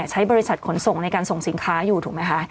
ใช้บริษัทขนส่งในการส่งสินค้าอยู่ถูกไหมคะ